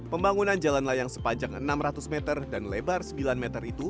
pembangunan jalan layang sepanjang enam ratus meter dan lebar sembilan meter itu